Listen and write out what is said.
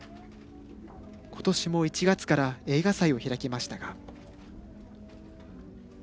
ことしも１月から映画祭を開きましたが。